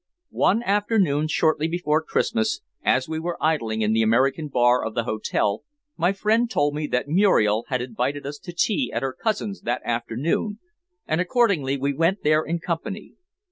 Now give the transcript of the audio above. One afternoon, shortly before Christmas, as we were idling in the American bar of the hotel, my friend told me that Muriel had invited us to tea at her cousin's that afternoon, and accordingly we went there in company.